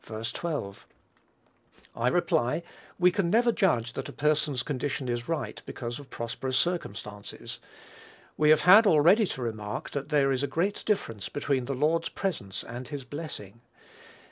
12.) I reply, we can never judge that a person's condition is right because of prosperous circumstances. We have had already to remark that there is a great difference between the Lord's presence and his blessing.